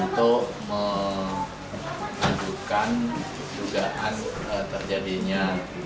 untuk menunjukkan jugaan terjadinya